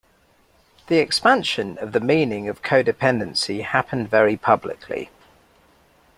The expansion of the meaning of codependency happened very publicly.